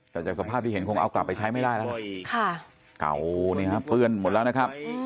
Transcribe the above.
แต่จากสภาพที่เห็นคงเอากลับไปใช้ไม่ได้แล้วเก่านี่ฮะเปื้อนหมดแล้วนะครับ